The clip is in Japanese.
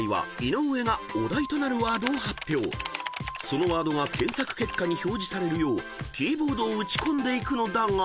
［そのワードが検索結果に表示されるようキーボードを打ち込んでいくのだが］